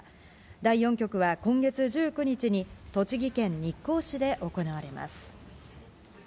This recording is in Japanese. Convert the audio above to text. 第４局は今月１９日に、栃木県日光市で行われます。